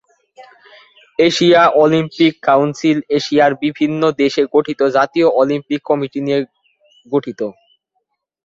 Asia Olympic council এশিয়ার বিভিন্ন দেশে গঠিত জাতীয় অলিম্পিক কমিটি নিয়ে গঠিত।